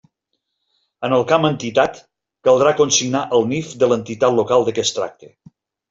En el camp Entitat caldrà consignar el NIF de l'entitat local de què es tracte.